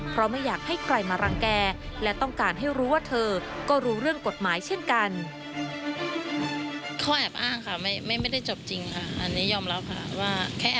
เพราะไม่อยากให้ใครมารังแก่และต้องการให้รู้ว่าเธอก็รู้เรื่องกฎหมายเช่นกัน